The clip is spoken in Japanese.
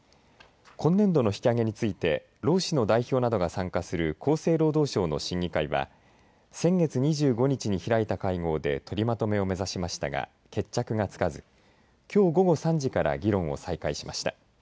今年度の引き上げについて労使の代表などが参加する厚生労働省の審議会は先月２５日に開いた会合で取りまとめを目指しましたが決着がつかずきょう午後３時から議論を再開しました。